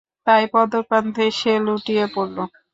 তাই বদর প্রান্তেই সে লুটিয়ে পড়ল।